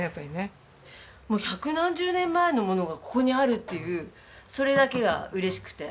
もう百何十年前のものがここにあるっていうそれだけが嬉しくて。